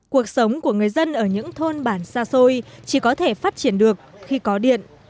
cuộc sống của người dân ở những thôn bản xa xôi chỉ có thể phát triển được khi có điện